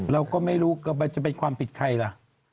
เราก็ไม่รู้กันมันจะเป็นความปิดใจใครละ